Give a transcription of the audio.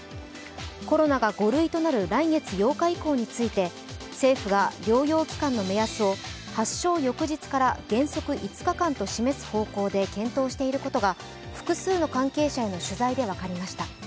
コロナが５類となる来月８日以降について療養器官の目安を発症翌日から原則５日間と示す方向で検討していることが複数の関係者への取材で分かりました。